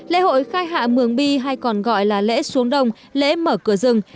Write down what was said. lễ hội khai hạ mường bi hay còn gọi là lễ xuống đồng lễ mở cửa rừng